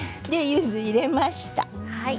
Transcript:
ゆず、入れました。